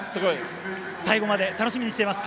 最後まで楽しみにしています。